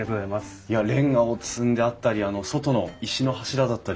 いやレンガを積んであったり外の石の柱だったり。